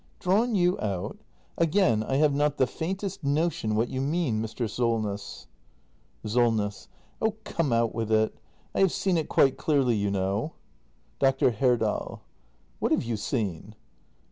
] Drawn you out ? Again I have not the faintest notion what you mean, Mr. Solness. Solness. Oh come, out with it; I have seen it quite clearly, you know. Dr. Herdal. What have you seen